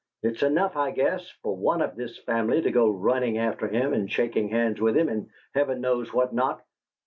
"It's enough, I guess, for one of this family to go runnin' after him and shakin' hands with him and Heaven knows what not!